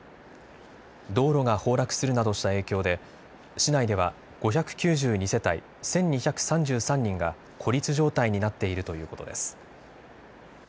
道路が崩落するなどした影響で市内では５９２世帯１２３３人が孤立状態になっているということです。